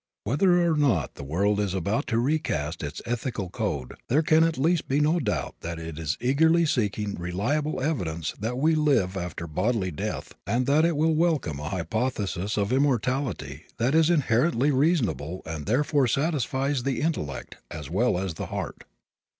Whether or not the world is about to recast its ethical code there can at least be no doubt that it is eagerly seeking reliable evidence that we live after bodily death and that it will welcome a hypothesis of immortality that is inherently reasonable and therefore satisfies the intellect as well as the heart.